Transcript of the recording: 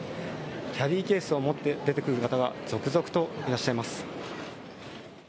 キャリーケースを持って出てくる方が続々といらっしゃいます。